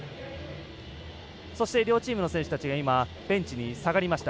両チームの選手たちがベンチに下がりました。